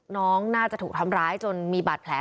น้องน่าจะถูกทำร้ายจนมีบาดแผล